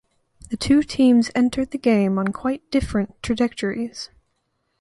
The two teams entered the game on quite different trajectories.